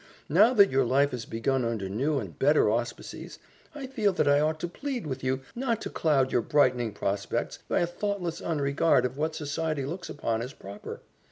Now that your life has begun under new and better auspices, I feel that I ought to plead with you not to cloud your brightening prospects by a thoughtless unregard of what society looks upon as proper.